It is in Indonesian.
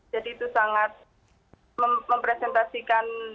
jadi itu sangat mempresentasikan